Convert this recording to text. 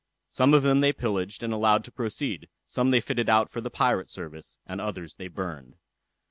Some of them they pillaged, and allowed to proceed, some they fitted out for the pirate service, and others they burned.